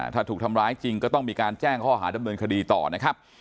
ถ้าถูกทำร้ายจริงก็ต้องมีการแจ้งข้อหาดำเนินคดีต่อนะครับ